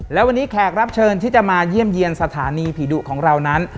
และวันนี้แขกรับเชิญที่จะมาเยี่ยมเยี่ยมสถานีผีดุของเรานั้น